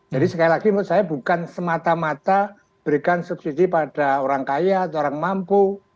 jadi sekali lagi menurut saya bukan semata mata berikan subsidi pada orang kaya atau orang mampu